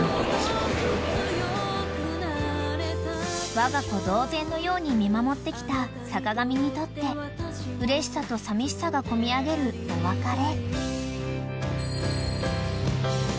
［わが子同然のように見守ってきた坂上にとってうれしさとさみしさがこみ上げるお別れ］